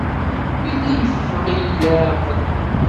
Yella yeffeɣ-iyi leɛqel.